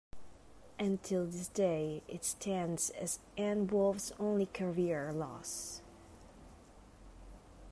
And till this day it stands as Ann Wolfe's only career loss.